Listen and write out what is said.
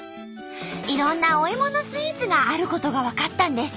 いろんなおイモのスイーツがあることが分かったんです。